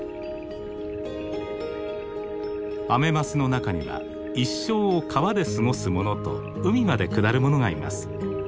アメマスの中には一生を川で過ごすものと海まで下るものがいます。